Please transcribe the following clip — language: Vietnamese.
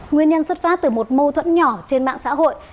nguyên nhân xuất phát từ một mâu thuẫn nhỏ trên mạng xã hội